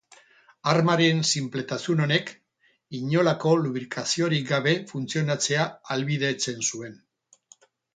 Armaren sinpletasun honek inolako lubrikaziorik gabe funtzionatzea ahalbidetzen zuen.